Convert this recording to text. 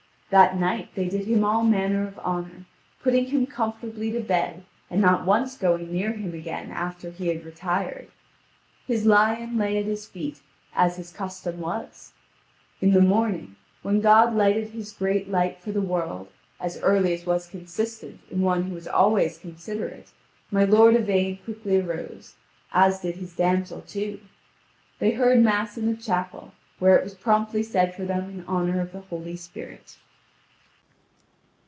That night they did him all manner of honour, putting him comfortably to bed, and not once going near him again after he had retired. His lion lay at his feet, as his custom was. In the morning, when God lighted His great light for the world, as early as was consistent in one who was always considerate, my lord Yvain quickly arose, as did his damsel too. They heard Mass in a chapel, where it was promptly said for them in honour of the Holy Spirit.